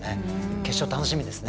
決勝楽しみですね。